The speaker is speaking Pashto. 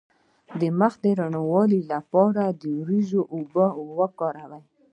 د مخ د روڼوالي لپاره د وریجو اوبه وکاروئ